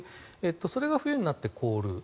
それが冬になって凍る。